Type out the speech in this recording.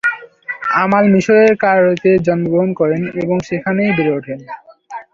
আমাল মিশরের কায়রোতে জন্মগ্রহণ করেন এবং সেখানেই বেড়ে ওঠেন।